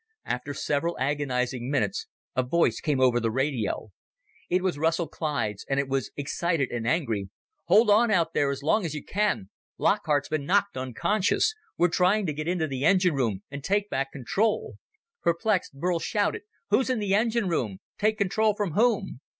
After several agonizing minutes, a voice came over the radio. It was Russell Clyde's and it was excited and angry. "Hold on out there as long as you can! Lockhart's been knocked unconscious! We're trying to get into the engine room and take back control!" Perplexed, Burl shouted, "Who's in the engine room? Take control from whom?"